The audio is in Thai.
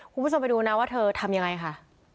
คุณผู้ชมไปดูนะว่าเธอทำยังไงค่ะ